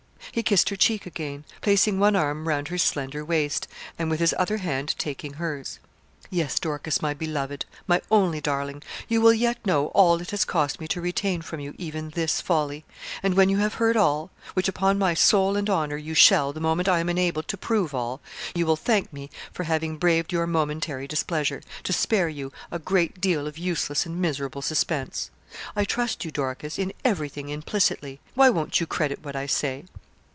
He kissed her cheek again, placing one arm round her slender waist, and with his other hand taking hers. 'Yes, Dorcas, my beloved, my only darling, you will yet know all it has cost me to retain from you even this folly; and when you have heard all which upon my soul and honour, you shall the moment I am enabled to prove all you will thank me for having braved your momentary displeasure, to spare you a great deal of useless and miserable suspense. I trust you, Dorcas, in everything implicitly. Why won't you credit what I say?'